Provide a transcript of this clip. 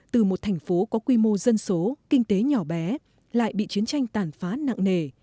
từ một thành phố có quy mô dân số kinh tế nhỏ bé lại bị chiến tranh tàn phá nặng nề